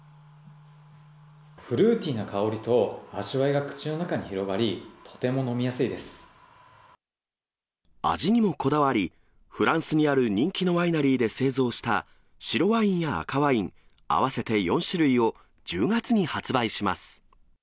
フルーティーな香りと味わいが口の中に広がり、とても飲みや味にもこだわり、フランスにある人気のワイナリーで製造した白ワインや赤ワイン合わせて４種類を、１０月に発売します。